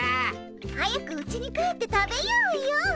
早くうちに帰って食べようよ。